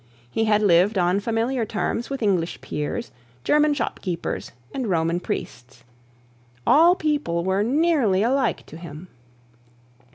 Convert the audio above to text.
He had lived on familiar terms with English peers, German shopkeepers, and Roman priests. All people were nearly alike to him.